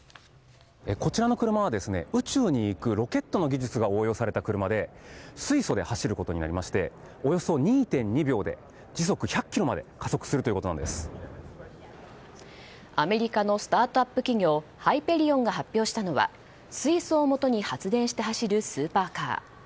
こちらの車は宇宙に行くロケットの技術が応用された車で水素で走ることになりましておよそ２．２秒で時速１００キロまでアメリカのスタートアップ企業ハイぺリオンが発表したのは水素をもとに発電して走るスーパーカー。